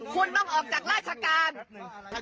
คุณต้องออกจากราชการ